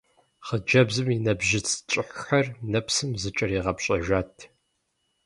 Хъыджэбзым и нэбжьыц кӀыхьхэр нэпсым зэкӀэригъэпщӀэжат.